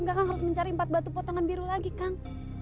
kakak harus mencari empat batu potongan biru lagi kak